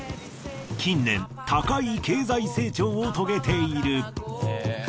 近年高い経済成長を遂げている。